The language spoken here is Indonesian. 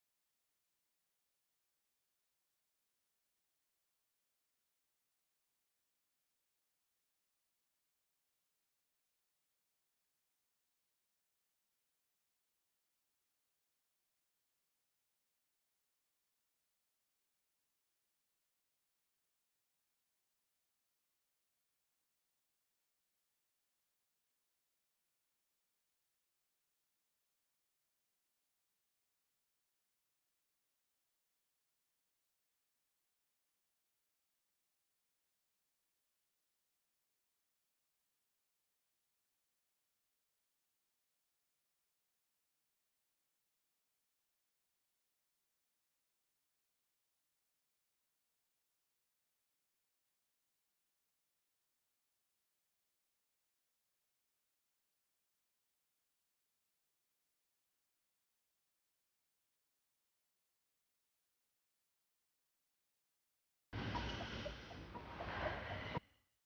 assalamualaikum warahmatullahi wabarakatuh